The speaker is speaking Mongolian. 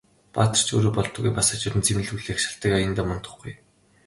Баатар ч өөрөө болдоггүй, бас хажууд нь зэмлэл хүлээх шалтаг аяндаа мундахгүй.